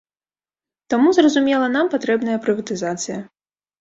Таму, зразумела, нам патрэбная прыватызацыя.